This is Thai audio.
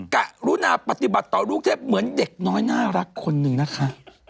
กรุณาปฏิบัติต่อลูกเทพเหมือนเด็กน้อยน่ารักคนหนึ่งนะคะ